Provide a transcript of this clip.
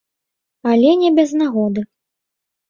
Але не без нагоды.